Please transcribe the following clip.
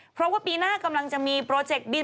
เพราะว่าปีหน้ากำลังจะมีโปรเจกต์บิน